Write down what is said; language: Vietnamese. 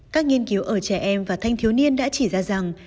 các nghiên cứu ở trẻ em và thanh thiếu niên đã chỉ ra rằng